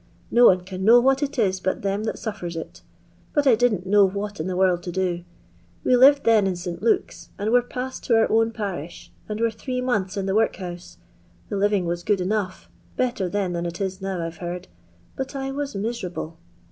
No one can know what it is but them that suffers it But I didn't know what in the world to do. We lived then in St Luke's, and were passed to our own parish, and were three months in the work house. The living was good enough, better then than it is now, I 've heard, but I waa miserable."